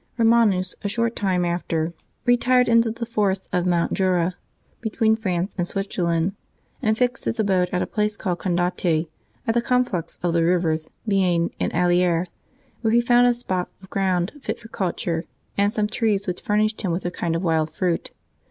Eomanus a short time after re 90 LIVES OF THE SAINTS [February 29 tired into the forests of Mount Jura, between France and Switzerland, and fixed his abode at a place called Condate, at the conflux of the rivers Bienne and Aliere, where he found a spot of ^ound fit for culture, and some trees which furnished him with a kind of wild fruit.